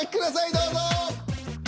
どうぞ。